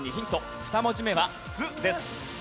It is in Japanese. ２文字目は「つ」です。